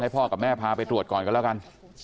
พ่อกับแม่พาไปตรวจก่อนกันแล้วกัน